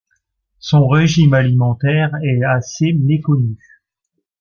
Son régime alimentaire est assez méconnu.